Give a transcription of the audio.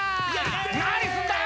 何すんだよ！